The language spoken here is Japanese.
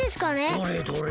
どれどれ？